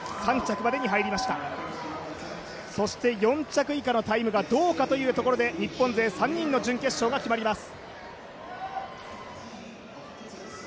４着以下のタイムがどうかというところで日本勢３人の準決勝が決まります。